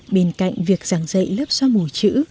bên cạnh việc giảng dạy lớp xóa mù chữ